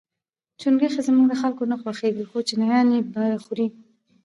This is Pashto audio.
چونګښي زموږ د خلکو نه خوښیږي خو چینایان یې با خوري.